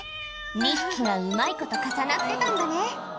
２匹がうまいこと重なってたんだね